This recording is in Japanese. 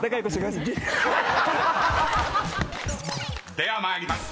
［では参ります。